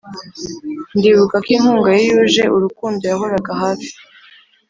ndibuka ko inkunga ye yuje urukundo yahoraga hafi